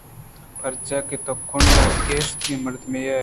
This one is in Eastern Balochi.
پرچا کہ تو کنڈ گَشتیں مردمے ئے